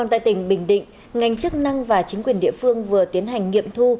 ngoại truyền định ngành chức năng và chính quyền địa phương vừa tiến hành nghiệm thu